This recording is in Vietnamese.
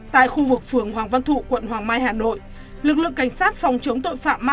tại khu vực phường hoàng văn thụ quận hoàng mai hà nội lực lượng cảnh sát phòng chống tội phạm ma túy